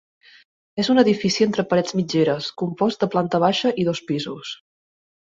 És un edifici entre parets mitgeres, compost de planta baixa i dos pisos.